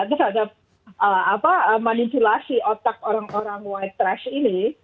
terhadap manipulasi otak orang orang white trust ini